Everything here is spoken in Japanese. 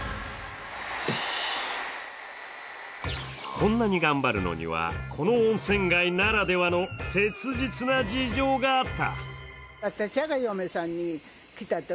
こんなに頑張るのには、この温泉街ならではの切実な事情があった。